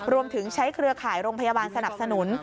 รวมถึงใช้เครือข่ายโรงพยาบาลสนับสนุน